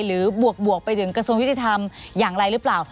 หรือบวกไปถึงกระทรวงวิทยาธรรมอย่างไรหรือเปล่า